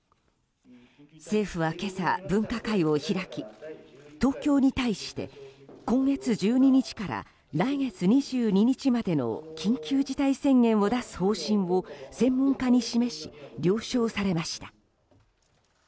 政府は今朝、分科会を開き東京に対して今月１２日から来月２２日までの緊急事態宣言を出す方針を専門家に示し了承されました。